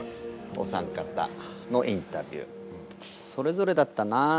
お三方のインタビューそれぞれだったなあ。